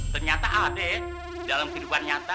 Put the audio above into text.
ternyata ada dalam kehidupan nyata